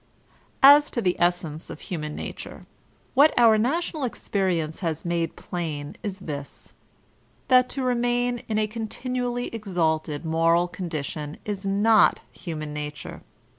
As to the essence of human nature, what our national experience has made plain is this, that to remain in a con tinually exalted moral condition is not human nature.